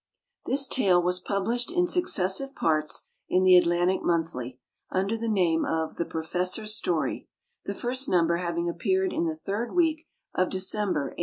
This tale was published in successive parts in the "Atlantic Monthly," under the name of "The Professor's Story," the first number having appeared in the third week of December, 1859.